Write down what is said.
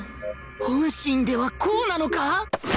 本心ではこうなのか！？